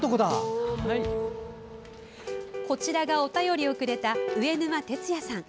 こちらがお便りをくれた上沼哲也さん。